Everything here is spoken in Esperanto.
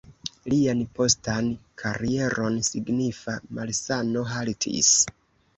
Lian postan karieron signifa malsano haltis.